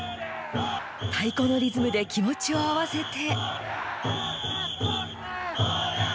太鼓のリズムで気持ちを合わせて。